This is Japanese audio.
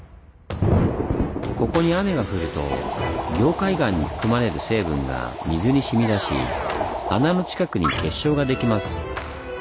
ここに雨が降ると凝灰岩に含まれる成分が水にしみ出し穴の近くに結晶ができます。